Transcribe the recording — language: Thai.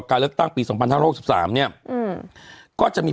การเลือกตั้งปีสองพันห้าหกสิบสามเนี้ยอืมก็จะมี